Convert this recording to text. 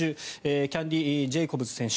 キャンディ・ジェイコブズ選手。